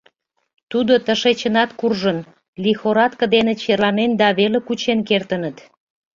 Тудо тышечынат куржын, лихорадке дене черланен да веле кучен кертыныт.